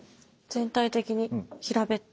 全体的に平べったい。